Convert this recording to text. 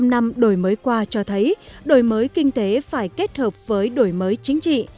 bảy mươi năm năm đổi mới qua cho thấy đổi mới kinh tế phải kết hợp với đổi mới chính trị